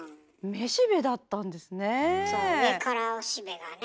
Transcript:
めしべだったんですね。